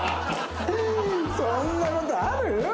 そんな事ある？